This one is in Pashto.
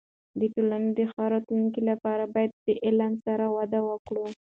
د ټولنې د ښه راتلونکي لپاره باید د علم سره وده وکړو.